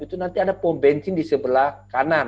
itu nanti ada pom bensin di sebelah kanan